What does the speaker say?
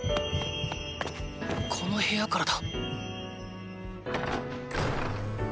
この部屋からだ！